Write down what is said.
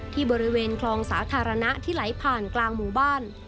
ที่บริเวณคลองสาธารณะที่ไหลผ่านกลางหมู่บ้าน